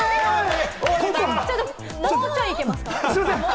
もうちょい、いけますか？